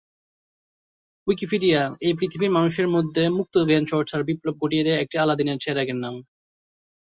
Wikipedia — এই পৃথিবীর মানুষের মধ্যে মুক্ত জ্ঞানচর্চার বিপ্লব ঘটিয়ে দেয়া একটি আলাদিনের চেরাগের নাম।